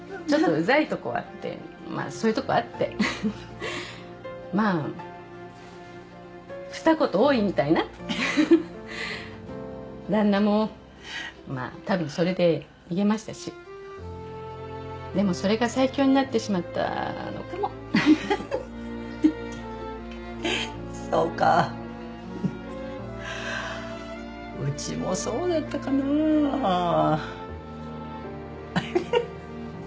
うざいとこはあってまあそういうとこあってまあふた言多いみたいなふふふっ旦那もまあ多分それで逃げましたしでもそれが最強になってしまったのかもふふふっそうかうちもそうだったかなはははっ